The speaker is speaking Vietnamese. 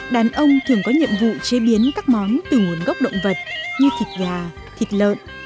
đàn ông thường có nhiệm vụ chế biến các món từ nguồn gốc động vật như thịt gà thịt lợn